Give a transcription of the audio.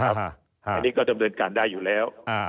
อันนี้ก็จะบริเวณการได้อยู่แล้ว